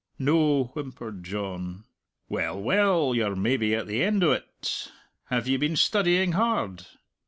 "No," whimpered John. "Well, well; you're maybe at the end o't! Have ye been studying hard?"